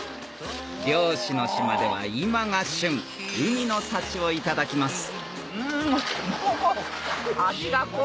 漁師の島では今が旬海の幸をいただきますウホホ！